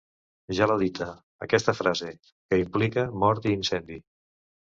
Ja l’ha dita, aquesta frase, que implica mort i incendi.